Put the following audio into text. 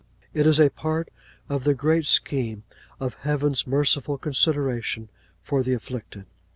It is a part of the great scheme of Heaven's merciful consideration for the afflicted.